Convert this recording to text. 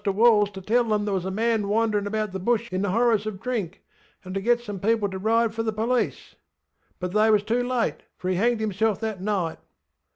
I sent Tommy across to WallŌĆÖs to tell them that there was a man wanderinŌĆÖ about the Bush in the horrors of drink, and to get some one to ride for the police. But they was too late, for he hanged himself that night.